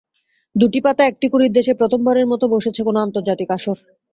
দুটি পাতা একটি কুঁড়ির দেশে প্রথমবারের মতো বসছে কোনো আন্তর্জাতিক আসর।